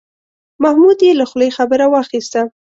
محمود یې له خولې خبره واخیسته.